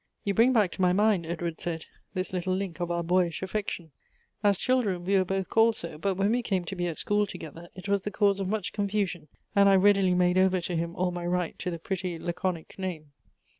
" You bring back to my mind," Edward said, " this little link of our boyish affection. As children, we were both called so , but when we came to be at school to gether, it was the cause of much confusion, and I readily made over to him all my right to the pretty laconic name."